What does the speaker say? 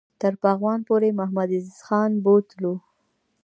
تر پغمان پوري محمدعزیز خان بوتلو.